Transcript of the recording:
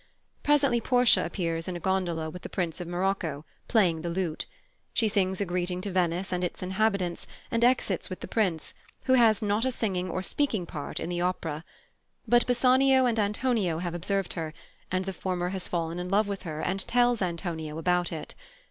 Presently Portia appears in a gondola with the Prince of Morocco, playing the lute. She sings a greeting to Venice and its inhabitants, and exits with the Prince, who has not a singing or speaking part in the opera. But Bassanio and Antonio have observed her, and the former has fallen in love with her and tells Antonio about it.